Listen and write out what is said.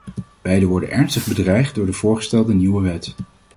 Beide worden ernstig bedreigd door de voorgestelde nieuwe wet.